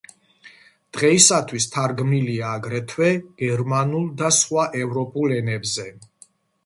დღეისათვის თარგმნილია, აგრეთვე, გერმანულ და სხვა ევროპულ ენებზე.